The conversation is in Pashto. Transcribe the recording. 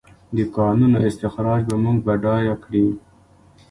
د کانونو استخراج به موږ بډایه کړي؟